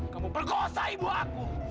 kamu perkosa ibu aku